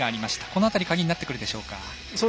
この辺り鍵になってくるでしょうか。